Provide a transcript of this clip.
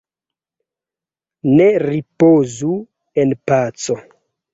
Ne ripozu en paco!